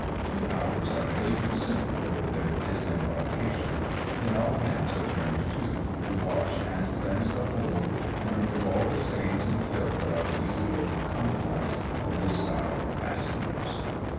Two hours are nearly consumed over their dis embarkation, then all hands are turned to, to wash and cleanse the hold, and remove all the stains and filth that are the usual concomitants of this style of pas sengers.